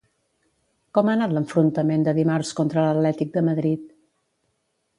Com ha anat l'enfrontament de dimarts contra l'Atlètic de Madrid?